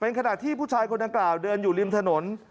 เป็นขณะที่ผู้ชายคนดังกล่าวเดินอยู่ริมถนน